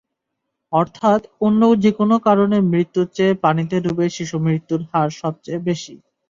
অর্থাৎ অন্য যেকোনো কারণে মৃত্যুর চেয়ে পানিতে ডুবে শিশুমৃত্যুর হার সবচেয়ে বেশি।